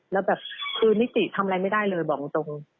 แล้วแบบคือนิติทำอะไรไม่ได้เลยบอกตรง